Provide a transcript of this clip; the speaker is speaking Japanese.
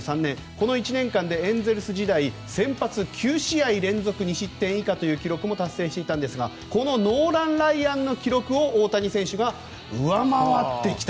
この１年間でエンゼルス時代先発９試合連続２失点以下という記録も達成していたんですがこのノーラン・ライアンの記録を大谷選手が上回ってきた。